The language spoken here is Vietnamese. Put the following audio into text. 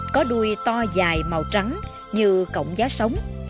có đuôi to dài màu trắng như cổng giá sống